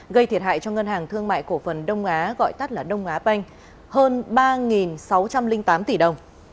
gây thiệt hại cho ngân hàng thương mại cổ phần đông á gọi tắt là đông á banh hơn ba sáu trăm linh tám tỷ đồng